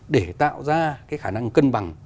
để tạo ra cái khả năng cân bằng